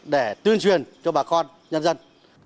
để tuyên truyền cho bà con nhân dân